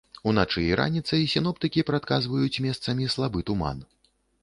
Уначы і раніцай сіноптыкі прадказваюць месцамі слабы туман.